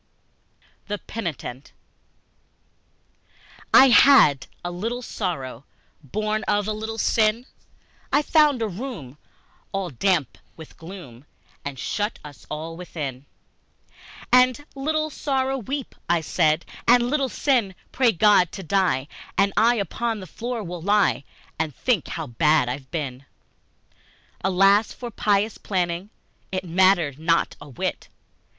The Penitent I HAD a little Sorrow, Born of a little Sin, I found a room all damp with gloom And shut us all within; And, "Little Sorrow, weep," said I, "And, Little Sin, pray God to Die, And I upon the floor will lie And think how bad I've been!" Alas for pious planning It mattered not a whit!